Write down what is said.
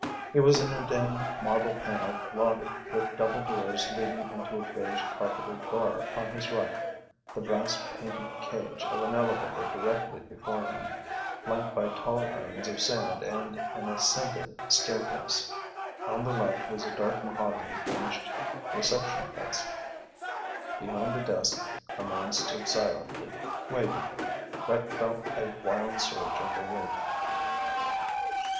He was in a dim, marble panelled lobby, with double doors leading into a beige carpeted bar on his right, the brass painted cage of an elevator directly before him, flanked by tall urns of sand and an ascending staircase. On the left was a dark mahogany finished reception desk. Behind the desk a man stood silently, waiting. Brett felt a wild surge of relief.